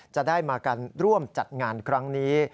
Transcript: จะได้มากันร่วมจัดงานครั้งนี้